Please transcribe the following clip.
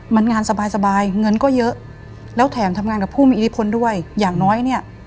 มันงานสบายเงินก็เยอะแล้วแถมทำงานกับผู้มีอิทธิพลด้วยอย่างน้อยเนี่ย